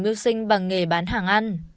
miêu sinh bằng nghề bán hàng ăn